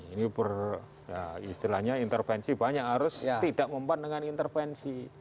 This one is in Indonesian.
ini beristilahnya intervensi banyak harus tidak mempan dengan intervensi